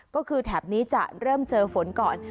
ก็คือแถบนี้จะเริ่มเจอฝนก่อน